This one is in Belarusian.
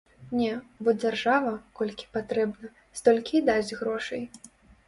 Не, бо дзяржава, колькі патрэбна, столькі і дасць грошай.